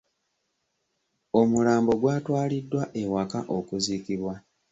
Omulambo gwatwaliddwa ewaka okuziikibwa.